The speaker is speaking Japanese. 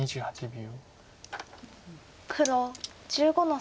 ２８秒。